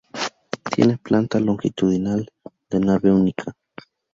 Tiene planta longitudinal, de nave única.